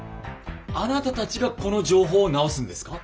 あなたたちがこの情報を直すんですか？